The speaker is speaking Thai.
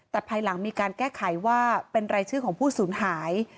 แต่ภายหลังมีการแก้ไขว่าเป็นรายชื่อของผู้สูญหาย